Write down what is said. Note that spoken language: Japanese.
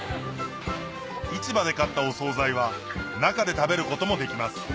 市場で買ったお総菜は中で食べることもできます